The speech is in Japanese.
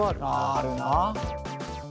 あるな。